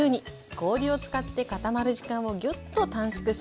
氷を使って固まる時間をギュッと短縮します。